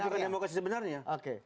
mewujudkan demokrasi sebenarnya